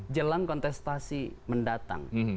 jelang kontestasi mendatang